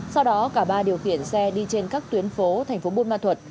sau đó cả ba điều khiển xe đi trên các tuyến phố thành phố bôn ma thuận